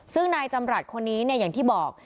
ซึ่งนายจำรัฐคนนี้เนี่ยอย่างที่บอก